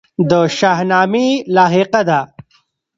د شاهنامې لاحقه ده.